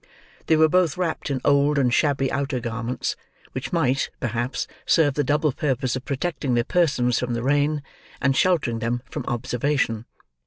They were both wrapped in old and shabby outer garments, which might, perhaps, serve the double purpose of protecting their persons from the rain, and sheltering them from observation.